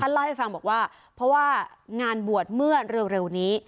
เล่าให้ฟังบอกว่าเพราะว่างานบวชเมื่อเร็วนี้